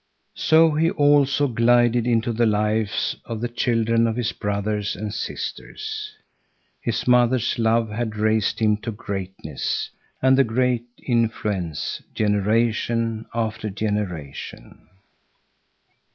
So he also glided into the lives of the children of his brothers and sisters. His mother's love had raised him to greatness, and the great influence generation after generation.